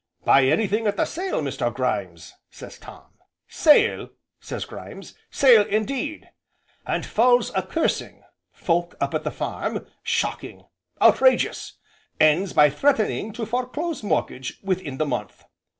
'Buy anything at the sale, Mr. Grimes?' says Tom, 'Sale!' says Grimes, 'sale indeed!' and falls a cursing folk up at the Farm shocking outrageous. Ends by threatening to foreclose mortgage within the month.